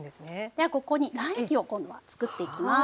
ではここに卵液を今度はつくっていきます。